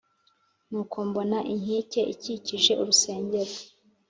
Nuko mbona inkike ikikije urusengero